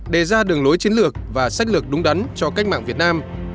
đề ra đường lối chiến lược và sách lược đúng đắn cho cách mạng việt nam